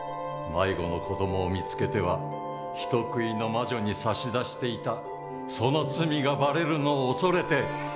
迷子の子どもを見つけては人食いの魔女に差し出していたその罪がばれるのを恐れて！